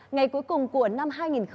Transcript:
ngày cuối cùng của năm hai nghìn một mươi tám